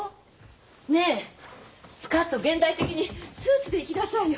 ねえスカっと現代的にスーツで行きなさいよ。